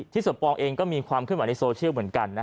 สมปองเองก็มีความขึ้นไหวในโซเชียลเหมือนกัน